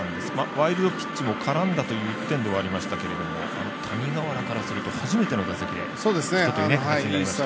ワイルドピッチも絡んだという１点ではありましたけど谷川原からすると初めての打席でヒットという形になりました。